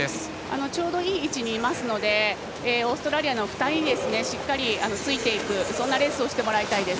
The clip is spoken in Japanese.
ちょうどいい位置にいますのでオーストラリアの２人にしっかりついていくレースをしてもらいたいです。